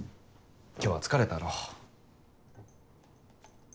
今日は疲れたろ。